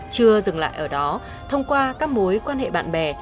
chưa dừng lại ở đó thông qua các mối quan hệ bạn bè